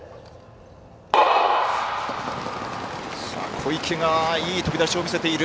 小池がいい飛び出しを見せている。